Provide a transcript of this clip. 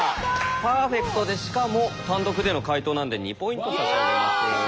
パーフェクトでしかも単独での解答なんで２ポイント差し上げます。